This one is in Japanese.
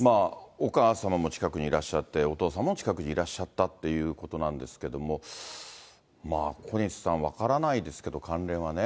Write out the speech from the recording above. お母様も近くにいらっしゃって、お父様も近くにいらっしゃったということなんですけれども、まあ、小西さん、分からないですけど、関連はね。